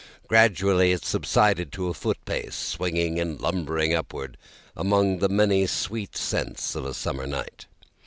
Gradually, it subsided to a foot pace, swinging and lumbering upward among the many sweet scents of a summer night.